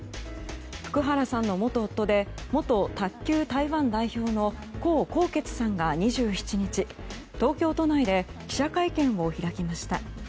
福原さんの元夫で元卓球台湾代表のコウ・コウケツさんが２７日東京都内で記者会見を開きました。